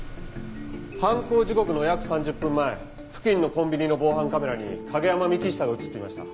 犯行時刻の約３０分前付近のコンビニの防犯カメラに景山幹久が映っていました。